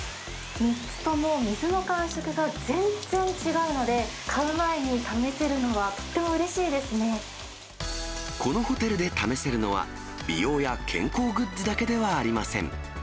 ３つとも水の感触が全然違うので、買う前に試せるのはとってもうれこのホテルで試せるのは、美容や健康グッズだけではありません。